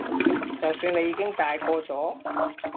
就算你已經大個咗